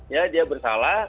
ya dia bersalah